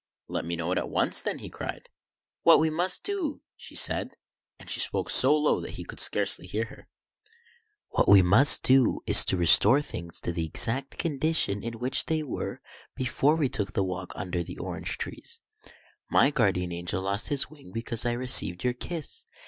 " Let me know it at once, then," he cried. " What we must do," she said, — and she spoke so low that he could scarcely hear her, —" what we must do is to restore things to the exact condition in which they were before we took that walk under the orange trees. My Guardian Angel lost his wing because I received your kiss.